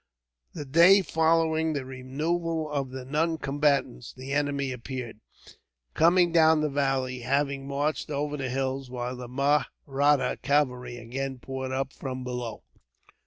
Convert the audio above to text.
The day following the removal of the noncombatants the enemy appeared, coming down the valley, having marched over the hills; while the Mahratta cavalry again poured up from below.